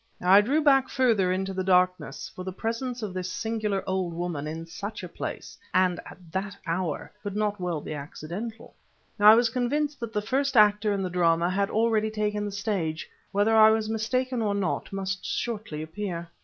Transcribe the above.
I drew back further into the darkness; for the presence of this singular old woman at such a place, and at that hour, could not well be accidental. I was convinced that the first actor in the drama had already taken the stage. Whether I was mistaken or not must shortly appear.